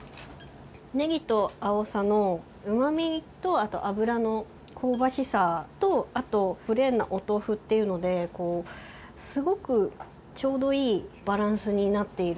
葱とあおさの旨みとあと油の香ばしさとあとプレーンなお豆腐っていうのですごくちょうどいいバランスになっている。